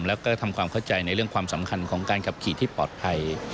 แล้วก็ทำความเข้าใจในเรื่องความสำคัญของการขับขี่ที่ปลอดภัย